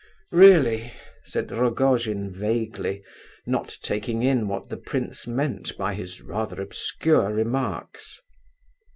"Really!" said Rogojin vaguely, not taking in what the prince meant by his rather obscure remarks.